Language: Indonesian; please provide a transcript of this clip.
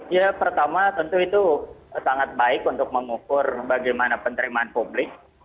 ya pertama tentu itu sangat baik untuk mengukur bagaimana penerimaan publik